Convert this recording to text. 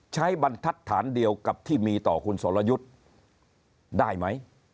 บรรทัศน์เดียวกับที่มีต่อคุณสรยุทธ์ได้ไหม